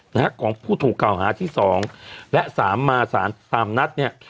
นะฮะของผู้ถูกเก่าหาที่สองและสามมาสารตามนัดเนี่ย